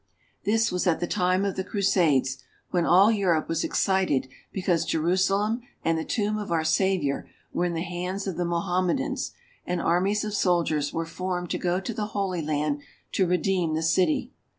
This was at the time of the Crusades, when all Europe was excited because Jerusalem and the Tomb of our Savior were in the hands of the Mohammedans, and armies of soldiers were formed to go to the Holy Land to redeem the city.